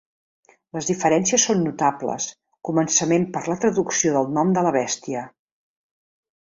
Les diferències són notables, començament per la traducció del nom de la bèstia.